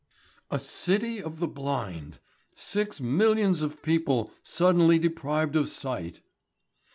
A city of the blind! Six millions of people suddenly deprived of sight!